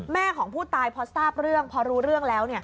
แม่ของผู้ตายพอทราบเรื่องพอรู้เรื่องแล้ว